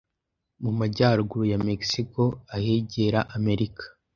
mu majyaruguru ya Mexico ahegera Amerika.